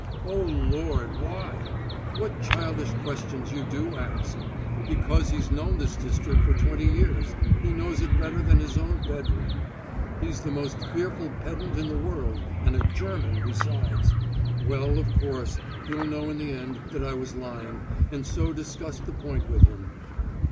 "Oh, Lord, why? What childish questions you do ask! Because he's known this district for twenty years; he knows it better than his own bedroom. He's the most fearful pedant in the world, and a German besides.... Well, of course, he'll know in the end that I was lying and so discussed the point with him...."